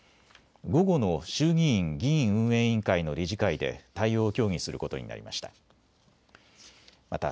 午後の衆議院議員運営委員会の理事会で対応を協議することになりました。